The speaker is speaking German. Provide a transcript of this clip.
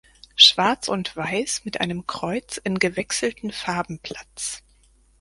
Schwarz und Weiss mit einem Kreuz in gewechselten Farben Platz.